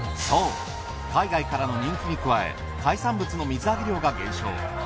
そう海外からの人気に加え海産物の水揚げ量が減少。